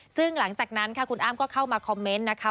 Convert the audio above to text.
ซึ่งหลังจากนั้นค่ะคุณอ้ำก็เข้ามาคอมเมนต์นะคะ